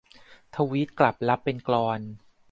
ทวิตกลับรับเป็นกลอน